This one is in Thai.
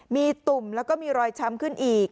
มีตุ่มแล้วก็มีรอยช้ำขึ้นอีก